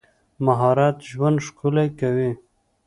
مهارت ژوند ښکلی کوي.